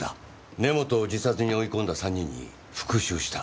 根本を自殺に追い込んだ３人に復讐した。